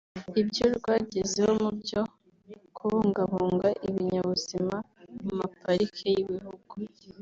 ibyo rwagezeho mubyo kubungabunga ibinyabuzima mu maparike y’igihugu